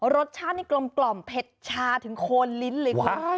รสชาติกลมเผ็ดชาถึงโคลนลิ้นเลยครับ